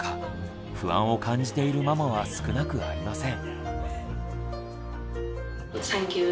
不安を感じているママは少なくありません。